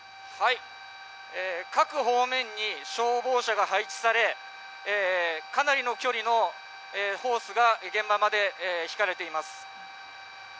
各方面に消防車が配置され、かなりの距離のホースが現場まで引かれています。